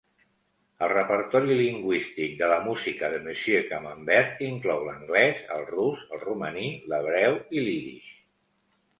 El repertori lingüístic de la música de Monsieur Camembert inclou l'anglès, el rus, el romaní, l'hebreu i l'ídix.